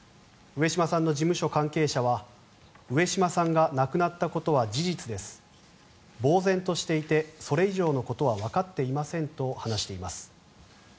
上島さんの事務所関係者は上島さんが亡くなったことは事実ですぼうぜんとしていてそれ以上のことはわかっていませんと話しています。